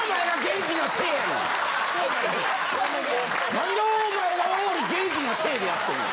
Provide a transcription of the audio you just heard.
なんでお前が俺より元気なテイでやってんねん。